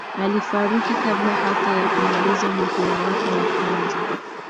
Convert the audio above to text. alifariki kabla hata ya kumaliza muhula wake wa kwanza